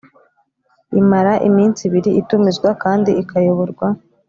imara iminsi ibiri itumizwa kandi ikayoborwa